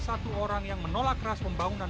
satu orang yang menolak keras pembangunan